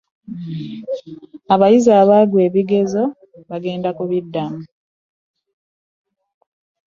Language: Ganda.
Abayizi abagwa ebigezo, bagenda kubiddamu.